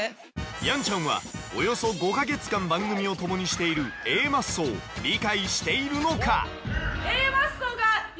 やんちゃんはおよそ５か月間番組を共にしているＡマッソを理解しているのか？